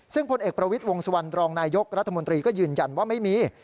ซึ่งพลเอกประวิทย์วงสุวรรณรองนายยกรัฐมนตรีก็ยืนยันว่าไม่มี